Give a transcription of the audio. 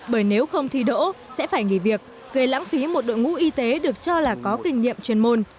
bởi nếu không thi đỗ sẽ phải nghỉ việc gây lãng phí một đội ngũ y tế được cho là có kinh nghiệm chuyên môn